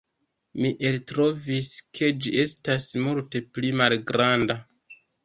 Mi eltrovis, ke ĝi estas multe pli malgranda.